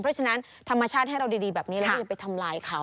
เพราะฉะนั้นธรรมชาติให้เราดีแบบนี้แล้วอย่าไปทำลายเขา